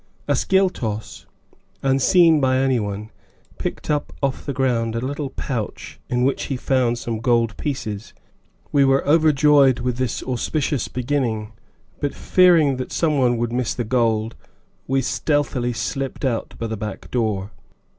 Ascyltos, unseen by anyone, picked up off the ground a little pouch in which he found some gold pieces. We were overjoyed with this auspicious beginning, but, fearing that some one would miss the gold, we stealthily slipped out by the back door.